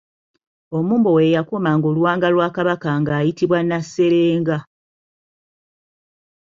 Omumbowa eyakuumanga Oluwanga lwa Kabaka nga ayitibwa Nasserenga.